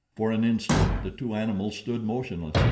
For an instant the two animals stood motionless.